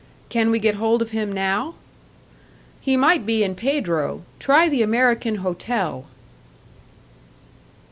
"Can we get hold of him now?" "He might be in Pedro. Try the American Hotel."